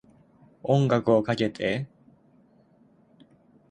音楽をかけて